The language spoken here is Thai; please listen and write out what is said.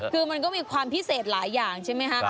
คือมันก็มีความพิเศษหลายอย่างใช่ไหมคะ